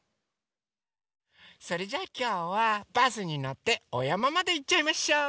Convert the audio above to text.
それじゃきょうはバスにのっておやままでいっちゃいましょう。